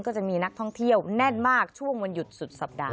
ก็จะมีนักท่องเที่ยวแน่นมากช่วงวันหยุดสุดสัปดาห